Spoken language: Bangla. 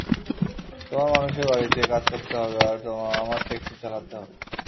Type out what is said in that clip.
তোমার মানুষের বাড়িতে কাজ করতে হবে, আর আমার ট্যাক্সি চালাতে হবে।